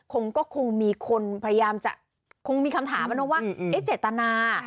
คงก็คงมีคนพยายามจะคงมีคำถามนะว่าเจตนา